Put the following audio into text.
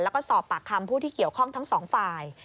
แล้วก็สอบปากคำผู้ที่เกี่ยวข้องทั้งสองฝ่าย